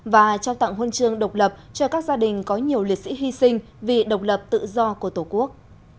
và trao tặng huân chương độc lập cho các gia đình có nhiều liệt sĩ hy sinh vì độc lập tự do của tổ quốc